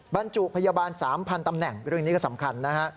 บรรจุพยาบาล๓๐๐ตำแหน่งเรื่องนี้ก็สำคัญนะฮะ